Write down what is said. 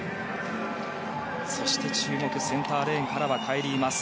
そして、注目センターレーンからはカイリー・マス。